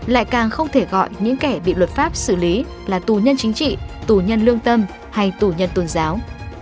lại càng không thể gọi những kẻ bị luật pháp xử lý là tù nhân chính trị tù nhân lương tâm hay tù nhân tôn giáo